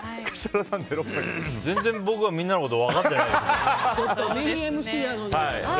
全然、僕はみんなのこと分かってないですね。